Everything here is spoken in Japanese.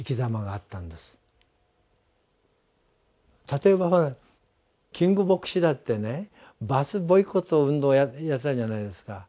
例えばキング牧師だってねバス・ボイコット運動をやったじゃないですか。